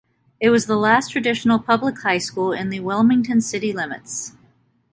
It was the last traditional public high school in the Wilmington city limits.